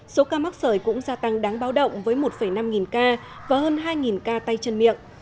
số ca mắc sởi cũng gia tăng đáng báo động với một năm nghìn ca và hơn hai ca tay chân miệng